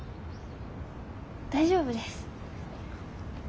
大丈夫です。